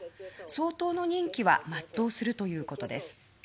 総統の任期は全うするということです。